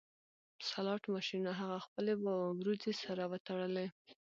سلاټ ماشینونه هغه خپلې وروځې سره وتړلې